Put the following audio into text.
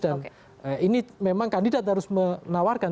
dan ini memang kandidat harus menawarkan